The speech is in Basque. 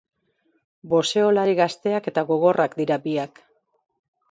Boxeolari gazteak eta gogorrak dira biak.